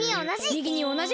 みぎにおなじ！